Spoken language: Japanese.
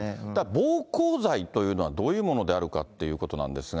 暴行罪というのはどういうものであるかということなんですが。